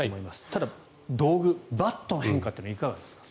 ただ、道具バットの変化というのはいかがですか。